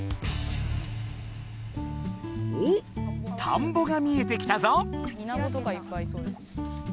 おっ田んぼが見えてきたぞ。